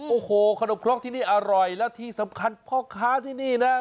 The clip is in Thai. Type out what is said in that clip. โอ้โหขนมครกที่นี่อร่อยและที่สำคัญพ่อค้าที่นี่นะ